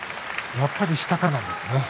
やっぱり下からなんですね。